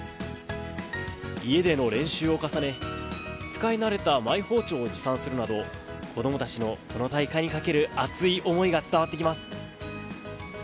家での練習を重ね使い慣れたマイ包丁を持参するなど子供たちのこの大会にかける熱い思いが伝わってきます。